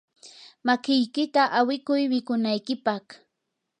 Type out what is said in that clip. makiykita awikuy mikunaykipaq.